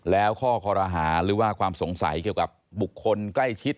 แล้วข้อคอรหาหรือว่าความสงสัยเกี่ยวกับบุคคลใกล้ชิด